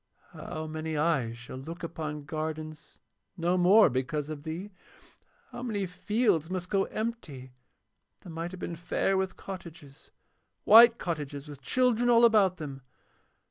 How many eyes shall look upon gardens no more because of thee? How many fields must go empty that might have been fair with cottages, white cottages with children all about them?